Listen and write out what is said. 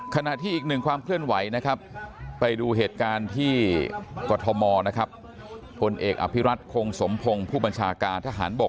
ขณะที่อีกหนึ่งความเคลื่อนไหวนะครับไปดูเหตุการณ์ที่กรทมนะครับผลเอกอภิรัตคงสมพงศ์ผู้บัญชาการทหารบก